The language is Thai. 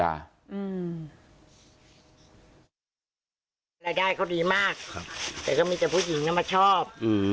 รายได้เขาดีมากแต่ก็มีแต่ผู้หญิงนะมาชอบ